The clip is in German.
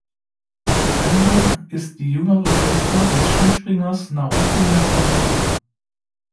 Anju ist die jüngere Schwester des Skispringers Naoki Nakamura.